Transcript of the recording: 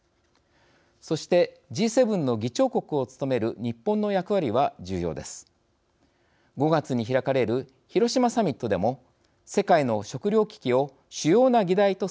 そして、Ｇ７の議長国を務める日本の役割は重要です。